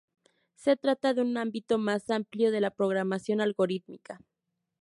Se trata de un ámbito más amplio de la programación algorítmica.